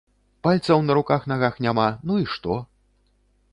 Пальцаў на руках-нагах няма, ну і што?